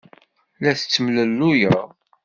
La tettemlelluyed.